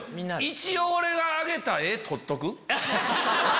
一応俺が挙げた画撮っとく？